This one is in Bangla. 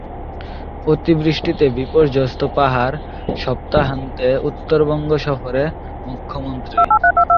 অতিবৃষ্টিতে বিপর্যস্ত পাহাড়, সপ্তাহান্তে উত্তরবঙ্গ সফরে মুখ্যমন্ত্রী